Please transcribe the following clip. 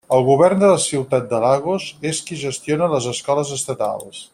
El Govern de la ciutat de Lagos és qui gestiona les escoles estatals.